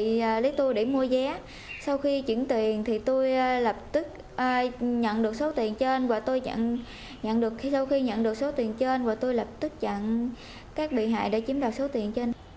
thì lấy tôi để mua vé sau khi chuyển tiền thì tôi lập tức nhận được số tiền trên và tôi lập tức chặn các bị hại để chiếm đoạt số tiền trên